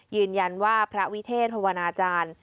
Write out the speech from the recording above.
ยืนยันว่าพระวิเทศภาวนาจารย์